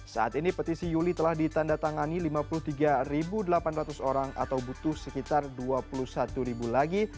saat ini petisi yuli telah ditanda tangani lima puluh tiga delapan ratus orang atau butuh sekitar dua puluh satu lagi